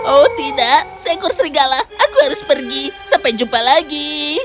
oh tidak seekor serigala aku harus pergi sampai jumpa lagi